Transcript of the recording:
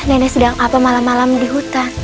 nenek sedang apa malam malam di hutan